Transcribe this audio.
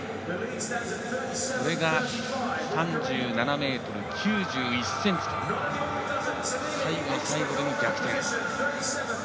これが３７ｍ９１ｃｍと最後の最後での逆転。